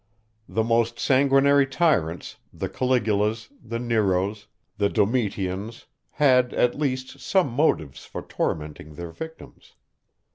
The most sanguinary tyrants, the Caligulas, the Neros, the Domitians, had, at least, some motives for tormenting their victims.